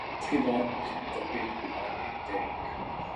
اسکے بعد مزدور طبقے کی عالمی تحریک